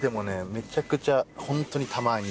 めちゃくちゃホントにたまに。